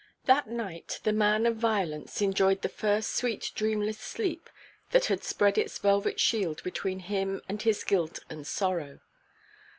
That night the man of violence enjoyed the first sweet dreamless sleep that had spread its velvet shield between him and his guilt and sorrow.